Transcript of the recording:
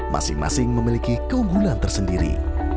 masing masing memiliki keunggulan tersendiri